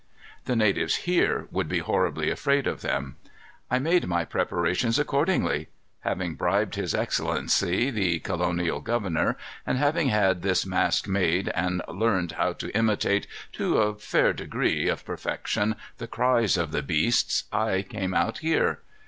The natives here would be horribly afraid of them. I made my preparations accordingly. Having bribed his excellency the colonial governor, and having had this mask made and learned how to imitate to a fair degree of perfection the cries of the beasts, I came out here.